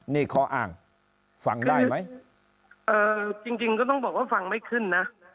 นี่ข้ออ้างฟังได้ไหมเอ่อจริงจริงก็ต้องบอกว่าฟังไม่ขึ้นนะ